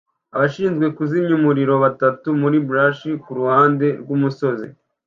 Abashinzwe kuzimya umuriro batatu muri brush kuruhande rwumusozi